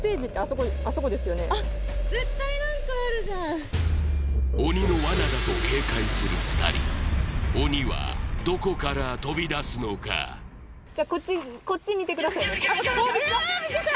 あっ絶対何かあるじゃん鬼の罠だと警戒する２人鬼はどこから飛び出すのかじゃあこっち見てくださいねビックリした！